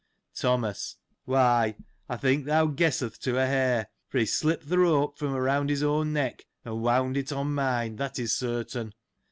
Thomas. — Why, I think thou guesseth to a hair ; for he slip ped th' rope from around his own neck, and wound it on mine ; that is certain.